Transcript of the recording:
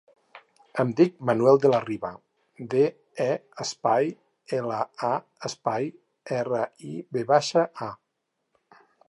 Em dic Manuel De La Riva: de, e, espai, ela, a, espai, erra, i, ve baixa, a.